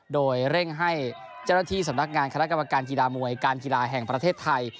โดยเร่งให้เจ้าหน้าที่สำนักงานคณะกรรมการกีฬามวยการกีฬาแห่งประเทศไทย